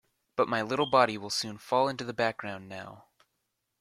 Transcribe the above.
But my little body will soon fall into the background now.